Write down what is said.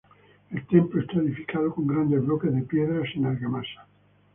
El templo está edificado con grandes bloques de piedra sin argamasa.